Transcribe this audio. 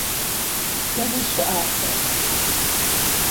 Дэнэ щыӀэ ахэр?